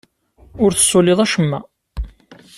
Ur tessuliḍ acemma.